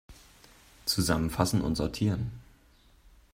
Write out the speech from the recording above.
Zusammenfassen und sortieren!